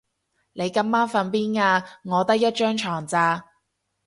你今晚瞓邊啊？我得一張床咋